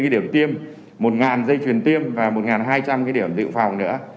tám trăm hai mươi bốn điểm tiêm một dây truyền tiêm và một hai trăm linh điểm dự phòng nữa